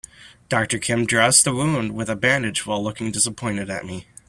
Doctor Kim dressed the wound with a bandage while looking disappointed at me.